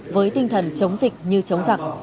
với tinh thần chống dịch như chống giặc